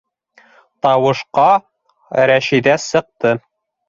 Тауышҡа Рәшиҙә сыҡты: